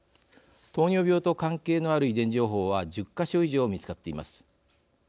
糖尿病と関係のある遺伝情報は１０か所以上、見つかっています。